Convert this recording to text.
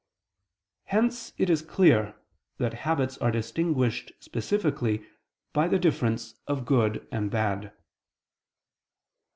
Hence it is clear that habits are distinguished specifically by the difference of good and bad.